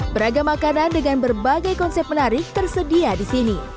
beragam makanan dengan berbagai konsep menarik tersedia di sini